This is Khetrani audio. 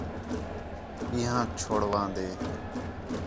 بیھانک چُھڑواندین